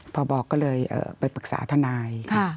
พอบอกก็เลยไปปรึกษาทนาย